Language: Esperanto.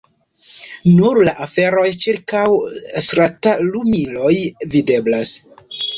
Nur la aferoj ĉirkaŭ stratlumiloj videblas.